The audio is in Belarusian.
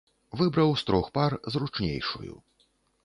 Выбраў з трох пар зручнейшую.